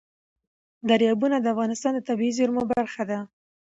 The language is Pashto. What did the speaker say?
دریابونه د افغانستان د طبیعي زیرمو برخه ده.